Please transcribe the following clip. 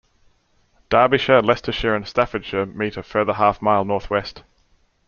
Derbyshire, Leicestershire, and Staffordshire meet a further half-mile northwest.